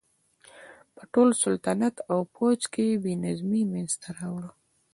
په ټول سلطنت او پوځ کې یې بې نظمي منځته راوړه.